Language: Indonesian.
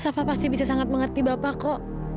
safa pasti bisa sangat mengerti bapak kok